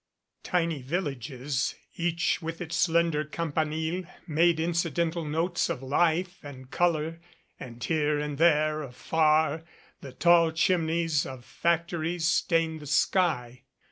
Tiny villages, each with its slender campanile, made incidental notes of life and color and here and there, afar, the tall chimneys of factories stained the sky.